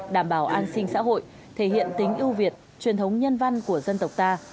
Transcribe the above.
đảm bảo an sinh xã hội thể hiện tính ưu việt truyền thống nhân văn của dân tộc ta